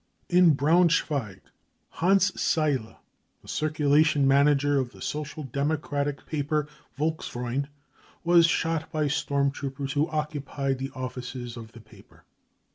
In Braunsch weig, Hans Saile, the circulation manager of the Social Democratic paper Volksfreund , was shot by storm troopers who occupied the offices of the paper.